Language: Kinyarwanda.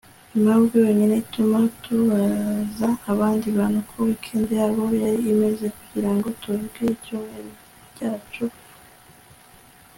impamvu yonyine ituma tubaza abandi bantu uko weekend yabo yari imeze kugirango tubabwire ibyumweru byacu - chuck palahniuk